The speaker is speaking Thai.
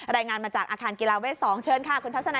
รายงานมาจากอาคารกีฬาเวท๒เชิญค่ะคุณทัศนา